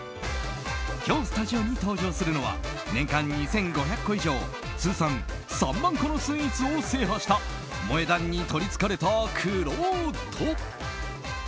今日スタジオに登場するのは年間２５００個以上通算３万個のスイーツを制覇した萌え断にとりつかれた、くろうと。